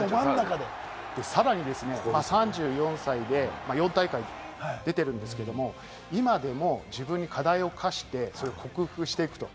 さらに３４歳で４大会出てるんですけれど、今でも自分に課題を課して、それを克服していくと。